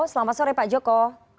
selamat sore pak joko